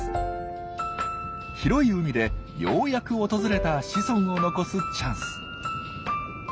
広い海でようやく訪れた子孫を残すチャンス。